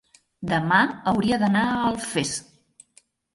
demà hauria d'anar a Alfés.